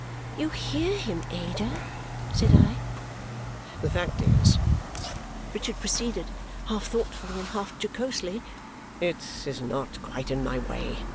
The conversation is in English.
"You hear him, Ada!" said I. "The fact is," Richard proceeded, half thoughtfully and half jocosely, "it is not quite in my way.